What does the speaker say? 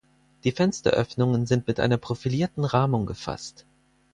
Die Fensteröffnungen sind mit einer profilierten Rahmung gefasst.